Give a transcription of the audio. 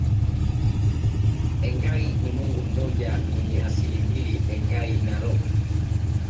Engai ni Mungu mmoja mwenye asili mbili Engai Narok